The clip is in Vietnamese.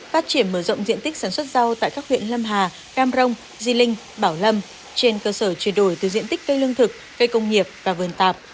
phát triển mở rộng diện tích sản xuất rau tại các huyện lâm hà cam rông di linh bảo lâm trên cơ sở chuyển đổi từ diện tích cây lương thực cây công nghiệp và vườn tạp